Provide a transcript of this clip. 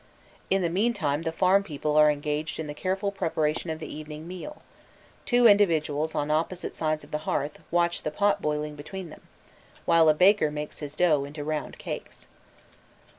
In the mean time the farm people are engaged in the careful preparation of the evening meal: two individuals on opposite sides of the hearth watch the pot boiling between them, while a baker makes his dough into round cakes.